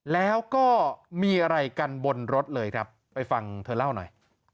แล้วก็มีอะไรกันบนรถเลยครับไปฟังเธอเล่าหน่อย